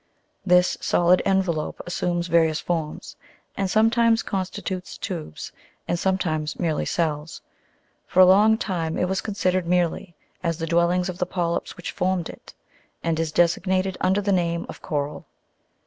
This solid envelop assumes various forms, and sometimes constitutes tubes, and sometimes merely cells ; for a long time it was considered merely as the dwellings of the polyps which formed it, and is designated under the name of coral.